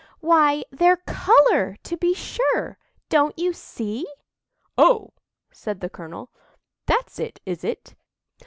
"Why, their colour, to be sure. Don't you see?" "Oh!" said the colonel. "That's it, is it?